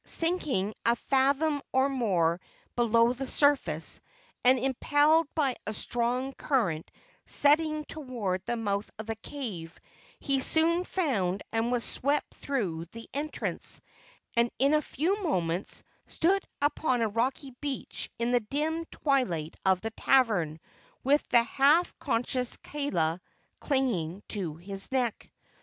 Sinking a fathom or more below the surface, and impelled by a strong current setting toward the mouth of the cave, he soon found and was swept through the entrance, and in a few moments stood upon a rocky beach in the dim twilight of the cavern, with the half unconscious Kaala clinging to his neck.